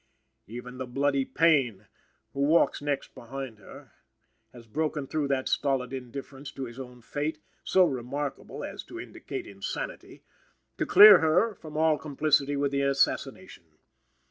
Even the bloody Payne, who walks next behind her, has broken through that stolid indifference to his own fate, so remarkable as to indicate insanity, to clear her from all complicity with the assassination.